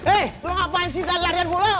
eh lu ngapain sih dari larian burlo